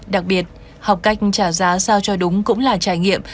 đặc biệt học cách trả giá sao cho đúng cũng là trải nghiệm